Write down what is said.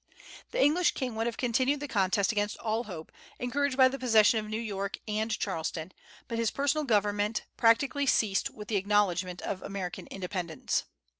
The English king would have continued the contest against all hope, encouraged by the possession of New York and Charleston, but his personal government practically ceased with the acknowledgment of American independence.